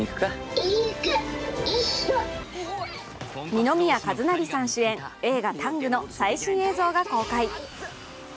二宮和也さん主演、映画「ＴＡＮＧタング」の最新映像が公開。